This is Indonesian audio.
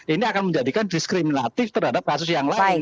ini akan menjadikan diskriminatif terhadap kasus yang lain